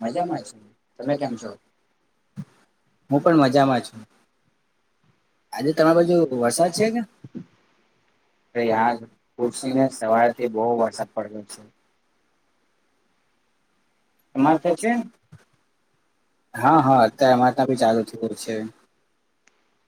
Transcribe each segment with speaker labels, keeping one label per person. Speaker 1: મજામાં છ તમે કેમ છો હ પણ મજામાં છ. એ તમારો જે રસા છે. ય પૂછીને સવાર થી બહુ વરસાદ પડ્યો છે.
Speaker 2: એમાં ક છે.
Speaker 1: હા હા અત્યારે મા તારું ચાલુ થયું છે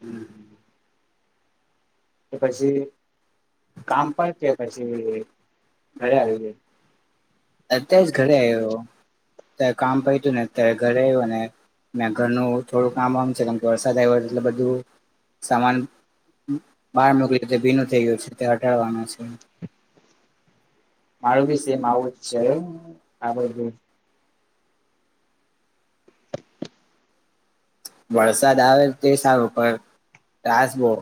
Speaker 1: હમ. કે પછી કામ પણ કે પછી ઘરે આવી
Speaker 2: અત્યારે જ ઘરે આવ્યો ત કામ પટયું હતું ને અત્યારે ઘરે આવ્યો અને મે ઘરનું થોડું કામ આમ છે કેમ કે વરસાદ આવ્યો એટલે બધું સામાન બહાર મોકલી તે ભીનું થઈયું છે તે હટાડવાનું છે. માળવીશે માવ છે. વરસાદ આવે તે સારું પર ત્રાસ બો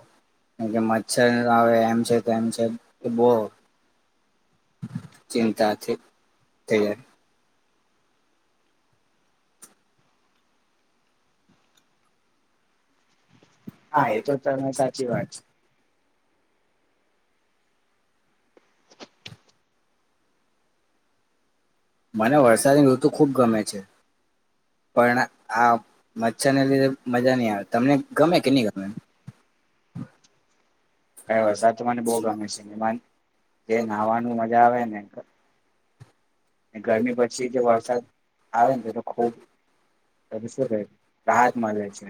Speaker 2: કે મચ્છર આવે એમ છે તેમ છે એમ છ બો ચિંતાથી તૈયારી
Speaker 1: હા, એ તો તને સાચી વાત છે.
Speaker 2: મને વરસાદની ઋતુ ખુબ ગમે છે. પણ આ મચ્છરને લીધે મજા નહી આવે તમને ગમે કે નહી, ગમે
Speaker 1: એ સાચું મને બહુ ગમે છે જે નહવાનું મજા આવે ને ગરમી પછી જે વરસાદ આવે ને તો તો ખૂબ તમે શું કેય રાહત મળે છે.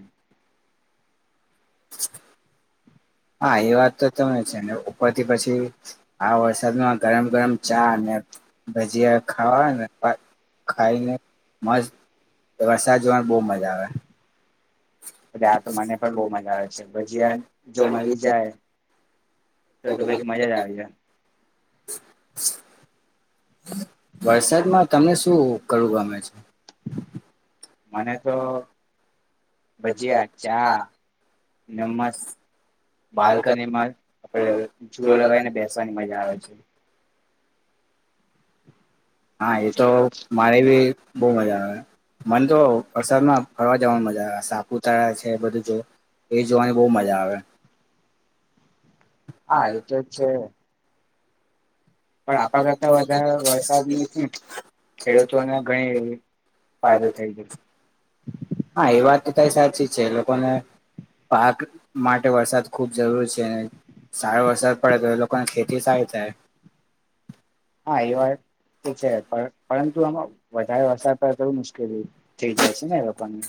Speaker 2: હા એ વાત તો તમે છે ને ઉપરથી પછી આ વરસાદમાં ગરમ ગરમ ચા અને ભજીયા ખાવા ને
Speaker 1: [inaudible] [unintelligible] ખ રસાગ મળ અ આ તો મને પણ બહ મજા આવે છે ભજીયા જો મળી જાય તો તો પછી મજા જ આવી જ
Speaker 2: વરસાદમાં તમને શું કરવું ગમે છે.
Speaker 1: મને તો ભજીયા ચા નમસ બાલ્કનીમાં આપ રે ઝુલો લગાવીને બેસવાની મજા આવે છે.
Speaker 2: હા [inaudible] એ તો મારે ભી બહ મજા આવે મને તો વરસાદ માં ફરવા જવાનું મજા આવે સાપુતારા છે. બધું જો એ જોવાની બહુ મજા આવે
Speaker 1: હા એ તો છે. પણ આપણા કરતા વધારે વરસાદની છે. ખેડૂતોને ઘણી સારું થઈ જશે
Speaker 2: હા એ વાત તો તારી સાચી છે. એ લોકોને પાક માટે વરસાદ ખૂબ જરૂર છે, અને સારો વરસાદ પડે તો એ લોકોને ખેતી સારી થાય.
Speaker 1: હા, એ વાત તો છે. પણ પરંતુ આમાં વધારે વરસાદ પડે તોડું મુશ્કેલીય થઈ જાય છેને. એ લોકોને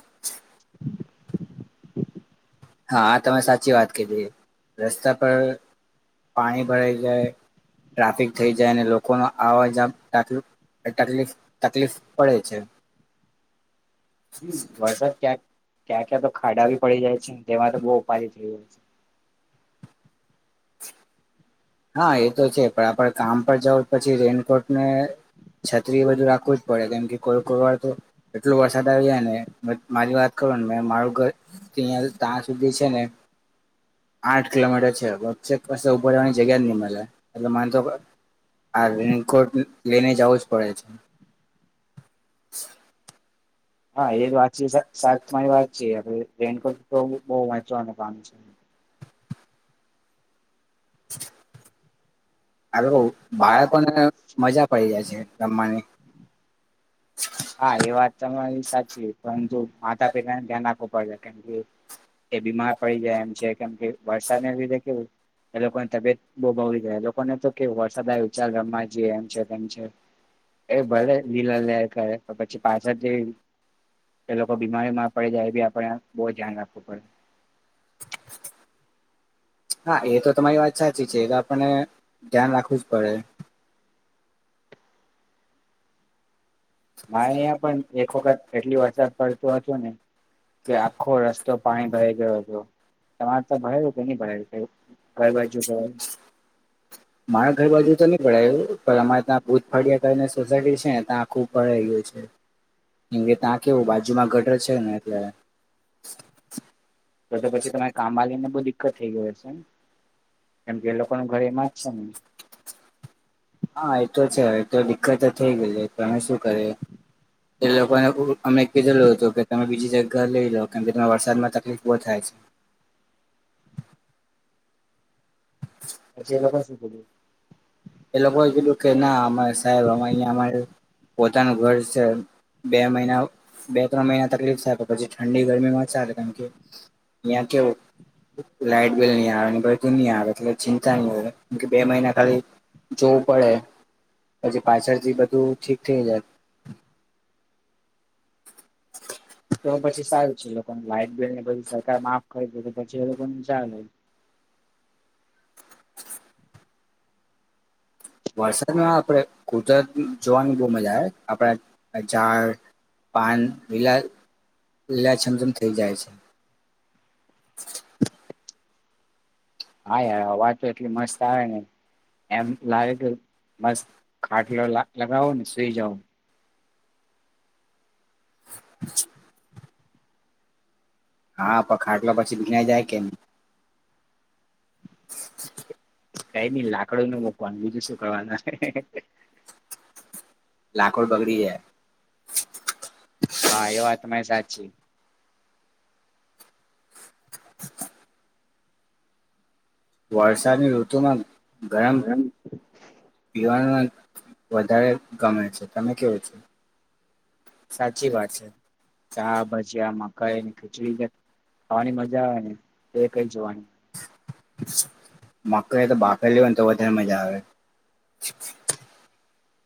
Speaker 2: હા. તમે સાચી વાત કરી દીધી રસ્તા પર પાણી ભરાઈ જાય ટ્રાફિક થઈ જાય અને લોકો ન આવા જ [inaudible] ટ્રાફિક તકલીફ તકલીફ પડે છે.
Speaker 1: હમ વરસાદ ક્યાંક ક્યાં ક્યાં તો ખાડા ભી પડી જાય છે, તેમાં તો બહુ ઉપાધી થઈ જાય છે.
Speaker 2: હા એ તો છે. પણ આપણે કામ પર જવું પછી રેનકોટ ને છત્રી, એ બધું રાખવું જ પડે કેમ કે કોઈ કોઈ વાર તો એટલો વરસાદ આવી જાય ને મારી વાત કરો ને મે મારું ઘર ત્યાં તા સુધી છે ને આઠ કિલોમીટર છેે. [inaudible] ઉભરવાની જગ્યા જ નહી મળે એટલે [inaudible] માનતો કે આ રેનકોટ લઈને જવું જ પડે છે.
Speaker 1: હા એ જ વાત છેી [inaudible] સા મારી વાત છેી રેનકો તો બ મ પામે છે.
Speaker 2: હ [inaudible] બાળકોને મજા પડી જાય છે, રમવાની
Speaker 1: હા, એ વાત તમારી સાચી પરંતુ માતા પિતાને ધ્યાન રાખવું પડે કેમ કે કે બીમાર પડી જાય એમ છે, કેમ કે વરસાદને લીધે કેવું એ લોકોની તબિયત બહુ બહી થાય, લોકોને તો કે વરસાદ વિચાર રમવા જઈએ એમ છે તેમ છે. એ ભલે લિલા લેર કરે પછી પાછળ જે એ લોકો, બીમારીમાં પડી જાય એ બી આપણે બહ ધ્યાન રાખવું પડે
Speaker 2: હા એ તો તમારી વાત અચ્છા ચી છે. એ તો આપણને ધ્યાન રાખવું જ પડે
Speaker 1: મારે અહં પણ એક વખત એટલી વરસાદ પડતો હતો ને કે આખો રસ્તો પાણી ભરાઈ ગયો હતો તમારે તો ભરેલું કે નહી, ભરેલું
Speaker 2: હ મારા ઘર બાજુ તો નહી પડાયું પણ અમારે ત્યાં ભૂત ફાડિયાની સોસાયટી છે ત્યાં ખુબ પાઈ ગયો છે એ ત્યાં કેવું બાજુમાં ગટર છે ને એટલે
Speaker 1: તો તો પછી તમારે કામમાં લને બહુ દિકકત થઈ ગઈ હ છે કેમ કે એ લોકો ન ઘર એમાં જ છે ને
Speaker 2: હા એ તો છેવે તો દિક્કત તો થઈ ગઈ છે તમે શું કર એ લોકોને અમે કીધેલું હતું કે તમે બીજી જગ્યા લઈ લોાવ કેમ કે ત વરસાદમાં તકલીફ બ થાય છે
Speaker 1: પચ્છ એ લોકો પણ શું કરજું
Speaker 2: એ લોકોએ કીધું કે ના અમારે સાહેબ અ અહીંયા અમારે પોતાનું ઘર છે બે મહિના બે ત્રણ મહિના તકલીફ થ પછી ઠંડી ગરમીમાં ચાલે કારમ કે ્યાં કેવો લાાઈટ બિલ નહી આવે બધું નહી આવે એટ ચિંતા નહી આવેમ બે મહિના ખાલી જોવું પડે પછી પાછળથી બધું ઠીક થઈ જાય [inaudible]
Speaker 1: તો પછી સારું છે લોકોને લાઈટ બિલ ને બધી સરકાર માફ કરી દે પછી એ લોકોને ચાર લ
Speaker 2: વરસાદમાં આપડે કુદરત જોવાની બહુ મજા આવે આપણે ઝાડ પાન લીલા લીલાછમછમ થઇ જાય છે
Speaker 1: હા યાર અ વાજ તો એટલી મસ્ત આવે ને એમ લાગે કે મસ્ત ખાટલો લગાવો ને સુઈ જાવ
Speaker 2: અચ હા પ ખાટલો પછી ભીના જાય કેમ
Speaker 1: કઈ નઈ લાકડું નું મકવાનું બીજું શું કરવાનું
Speaker 2: લાખોડ બગરી હૈ
Speaker 1: હા એ વાત તમા મારી સાચ છેી
Speaker 2: વરસાદની ઋતુમાં ગરમ પીવાનું વધારે ગમે છે તમે કેવો છો
Speaker 1: સાચી વાત છે ચા ભજીયા મકાઈ ખીચડી ખાવાની મજા આવે ને એ કઈ જોવાની
Speaker 2: મક એ તો બાકર લેવ ને તો વધારે મજા આવે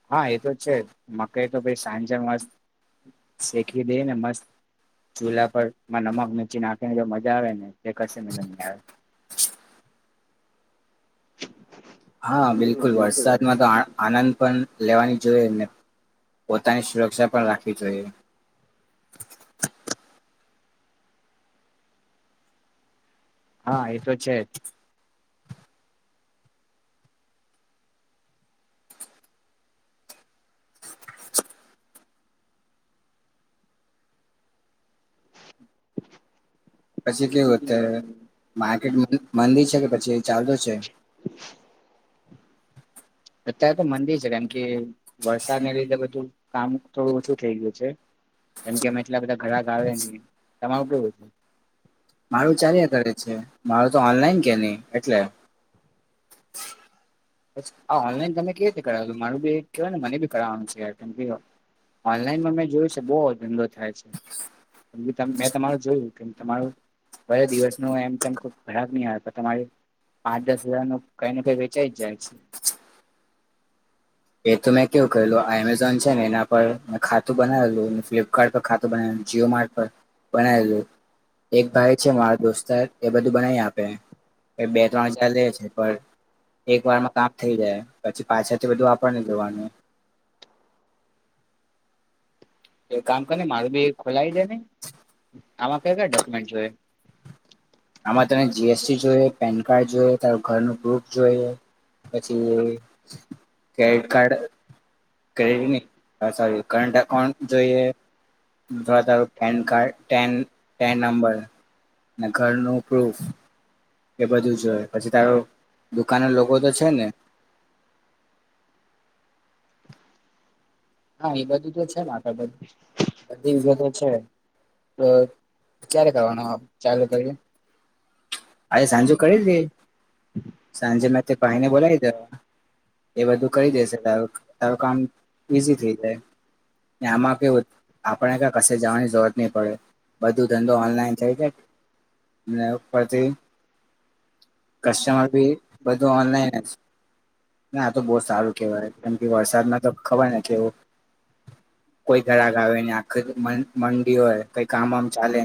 Speaker 1: હા એ તો છે જ મકઈ તો ભ સાંજે મસ્ત શેખી દે ને મસ્ત ચૂલ્હા પર માં નમક મીચી નાખીને જો મજા આવે ને તે કરશે મનેમ આવે
Speaker 2: હા બિલકુલ વરસાદમાં તો આનંદ પણ લેવાની જોઈએ એમને પોતાની સુરક્ષા પણ રાખવી જોઈએ
Speaker 1: હા એ તો છે જ પછી કે ંધી છે કે પછી ચાલવે છે અત્યારે તો મંદી છે કેમ કે વરસાદને લીધે બધું કામ થોડું ઓછું થઇ ગયું છે કેમ કે એટલા બધા ઘણા ગાવ નને તમારું કેવું છે હ ચ્યા હ તો ઓનલાઈન કે નહી આ ઓનલાઈન તમે કેવી રીતે કરાવું માર બી કય ને મને બી કરાવનું છે ઓનલાઈનમાં મેં જોયું છે બહુ ધંધો થાય છે મેં તમારું જોયું કે તમારું દિવસનું એમ ખરાબ નહી હાર પણ તમારે પાંચ દસ હજાર નો કઈ ને કઈ વેચાઈ જાય
Speaker 2: એ તો મેં કેવું કલું અમેઝોન છે ને એના પર મે ખાતું બનાવેલું ફ્લપ પર ખાતું બનાવેલું જીઓ માર્ટ પર બનાવેલું એક ભાઈ છે મારા દોસ્ત એ બધું બનાવી આપે બે ત્રણ હજાર લે છે એક વારમાં કામ થઈ જાય પછી પાછળ થી બધું પણ જવાની
Speaker 1: કામ કરીને મારું બી ખોલાવી દે ને આમાં કયા કયા ડોક્યુમેન્ટય
Speaker 2: આમાં તને જીએસટી જોઈએ પેન કાર્ડ જોઈએ તારું ઘર ન પ્રૂફ જોઈએ પછી ક્રેડિટ કાર્ડ ક ન સોરી કરંન્ટ અકાઉન્ટ જોઈએ જોરા તારું પેન કાર્ડન પેન નંબર ઘરનું પ્રૂફ એ બધું જો હોય પછી તારો દુકાન લોકો તો છે ને? હા એ છે. તો ક્યારે ખાવાનું [unintelligible] અરે સાંજે કરી સાંજેમાં તે પાઈને બોલા એ બધું કરી દેશે તારું તારું કામ ઈઝી થઈ જાય. ને આમાં કેવું આપને ક કશે જવાની જરૂરત નહીં પડે બધું ધંધો ઓનલાઈન થાય ને ઉપરથી કસ્ટમર બી બધું ઓનલાઈન ના તો બહુ સારું કેહેવાય કેમ કે વરસાદમાં તો ખબર ને કેવું કોઈ ઘરા ગ આવે ને આખ મંડી હોય કઈ કામમ ચાલે.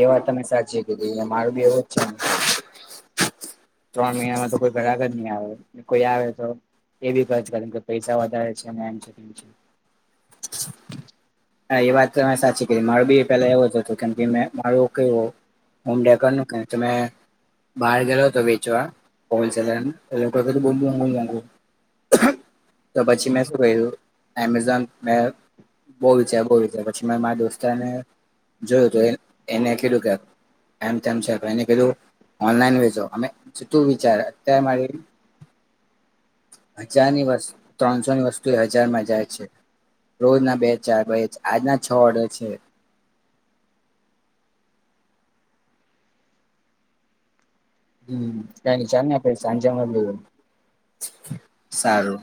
Speaker 1: એ વાત તમે સાચી કીધી અં મારું બી એવું જ છે ને. ત્રણ મહિનામાં તો કોઈ બરાબર નહી આવે કોઈ આવે તો એ બી કમ કે પૈસા વધારે છે અને એમ છે કેમ છે.
Speaker 2: [inaudible] હા એ વાત મે સાચી કરી મારું બી પેલા એવો જ હતું કેમ કે મેં મારું કેવું ઉમડગર ન ક તમે બહાર ગેલો હતો વેચવા હોલસેલર ને તો લોકો [inaudible] [unintelligible] તો પછી મેં શું કું એમેઝોન મે બહુ વિચાર બહુ વિચાર પછી મેં મારા દોસ્તને જોયું હતું એને કીધું કે એમ તેમ છે એને કીધું ઓનલાઈન વેચો અમે તું વિચાર અત્યારે મારી હજારની વસ્ત ત્રણસોની વસ્તુ એ હજારમાં જાય છે. રોજના બે ચાર બે આજના છ ઓર્ડર છે. [inaudible] સારું.